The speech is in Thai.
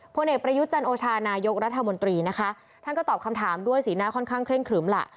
พลเอกประยุทธ์จันโอชานายกรัฐมนตรีนะคะท่านก็ตอบคำถามด้วยสีหน้าค่อนข้างเคร่งครึมล่ะ